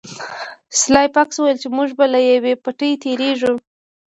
سلای فاکس وویل چې موږ به له یوه پټي تیریږو